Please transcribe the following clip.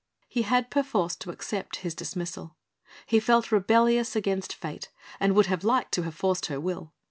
He had perforce to accept his dismissal. He felt rebellious against fate and would have liked to have forced her will.